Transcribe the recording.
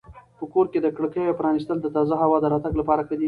په کور کې د کړکیو پرانیستل د تازه هوا د راتګ لپاره ښه دي.